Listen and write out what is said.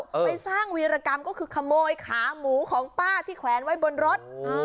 ไปสร้างวีรกรรมก็คือขโมยขาหมูของป้าที่แขวนไว้บนรถ